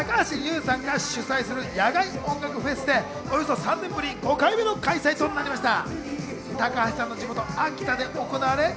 こちらは高橋優さんが主催する野外音楽フェスでおよそ３年ぶり５回目の開催となりました。